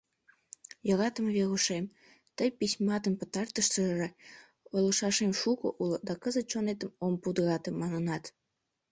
Йӧратыме Верушем, тый письматын пытартыштыже «Ойлышашем шуко уло, да кызыт чонетым ом пудырате», — манынат.